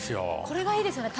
これがいいですよね。